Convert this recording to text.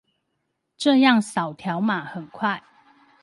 這樣掃條碼很快